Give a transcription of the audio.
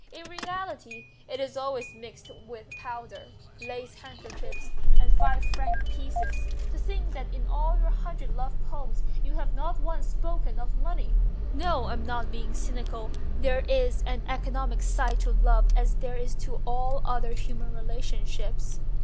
In reality it is always mixed up with powder, lace handkerchiefs, and five franc pieces. To think that in all your hundred love poems you have not once spoken of money !"" No, I'm not being cynical : there is an economic side to love as there is to all other human relationships.